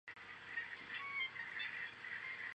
汉娜最终开始跟同事西蒙约会。